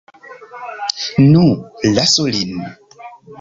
Nu, lasu lin.